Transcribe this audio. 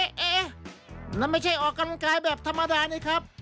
เอ๊ะนั่นไม่ใช่ออกกำลังกายแบบธรรมดานี่ครับ